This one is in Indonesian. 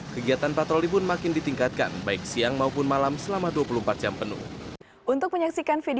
kegiatan patroli pun makin ditingkatkan baik siang maupun malam selama dua puluh empat jam penuh